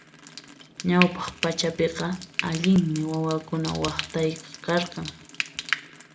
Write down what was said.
Ñawpaq pachapiqa allinmi wawakuna waqtayqa karqan.